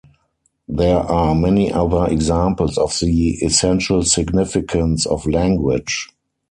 There are many other examples of the essential significance of language.